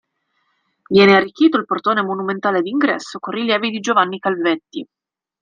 Viene Arricchito il portone monumentale d'ingresso con rilievi di Giovanni Calvetti.